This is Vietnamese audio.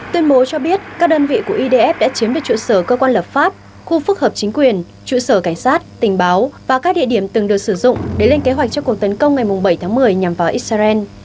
tuyên bố cho biết các đơn vị của idf đã chiếm được trụ sở cơ quan lập pháp khu phức hợp chính quyền trụ sở cảnh sát tình báo và các địa điểm từng được sử dụng để lên kế hoạch cho cuộc tấn công ngày bảy tháng một mươi nhằm vào israel